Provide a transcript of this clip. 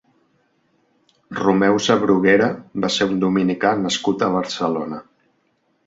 Romeu Sabruguera va ser un dominicà nascut a Barcelona.